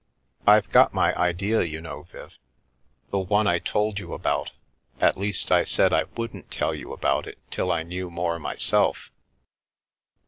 " I've got my idea, you know, Viv. The one I told you about — at least, I said I wouldn't tell you about it till I knew more myself."